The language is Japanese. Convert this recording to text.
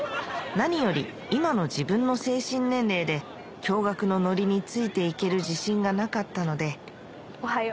何より今の自分の精神年齢で共学のノリについていける自信がなかったのでおはよう。